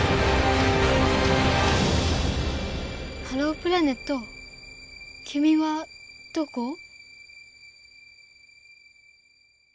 ハロープラネットきみはどこ？